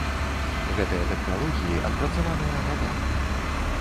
Гэтыя тэхналогіі адпрацаваныя гадамі.